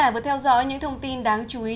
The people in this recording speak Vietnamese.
và việt nam là một vị trí tuyệt vời